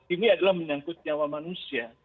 ini adalah menyangkut nyawa manusia